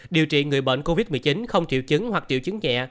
điều trị người bệnh covid một mươi chín không triệu chứng hoặc triệu chứng nhẹ